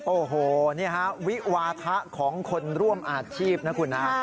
โอ้โหนี่ฮะวิวาทะของคนร่วมอาชีพนะคุณนะ